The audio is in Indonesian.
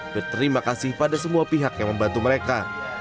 berterima kasih pada semua pihak yang membantu mereka